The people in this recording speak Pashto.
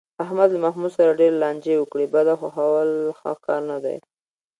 احمد له محمود سره ډېرې لانجې وکړې، بده خوښول ښه کار نه دی.